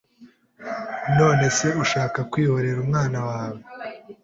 None se ushaka kwihorera umwana wawe